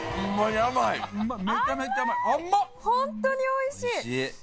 ホントにおいしい。